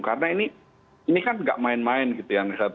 karena ini kan tidak main main gitu ya